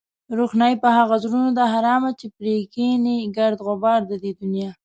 روښنايي په هغو زړونو ده حرامه چې پرې کېني گرد غبار د دې دنيا